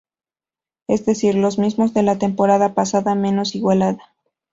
Es decir, los mismos de la temporada pasada menos Igualada.